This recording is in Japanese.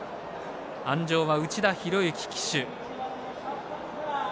鞍上は内田博幸騎手。